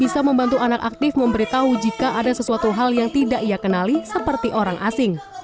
bisa membantu anak aktif memberitahu jika ada sesuatu hal yang tidak ia kenali seperti orang asing